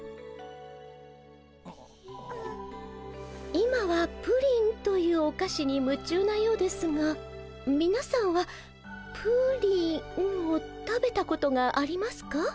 今はプリンというお菓子に夢中なようですがみなさんはプリンを食べたことがありますか？